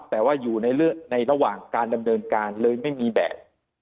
แต่ว่าอยู่ในระหว่างการดำเนินการเลยไม่มีแบบ